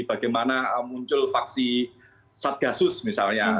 bagaimana muncul faksi satgasus misalnya